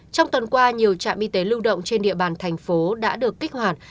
trong tuần qua nhiều trạm y tế lưu động trên địa bàn thành phố đã được kích hoạt